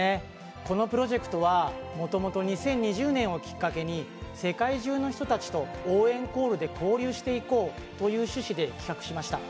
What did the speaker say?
このプロジェクトは、もともと２０２０年をきっかけに世界中の人たちと応援コールで交流していこうという主旨で企画しました。